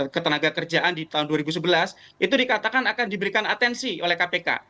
dan ketenaga kerjaan di tahun dua ribu sebelas itu dikatakan akan diberikan atensi oleh kpk